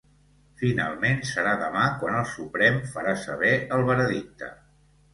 Finalment, serà demà quan el Suprem farà saber el veredicte.